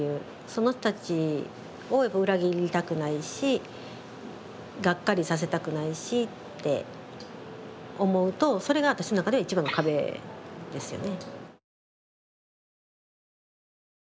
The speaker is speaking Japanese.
その人たちを裏切りたくないしがっかりさせたくないしって思うとそれが私の中では一番の壁ですよね。